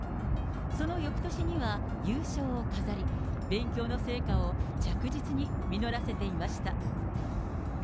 そのよくとしには優勝を飾り、勉強の成果を着実に実らせていました。